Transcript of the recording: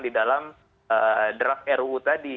di dalam draft ruu tadi